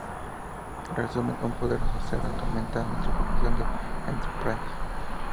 Resumen: Un poderoso ser atormenta a la tripulación del "Enterprise".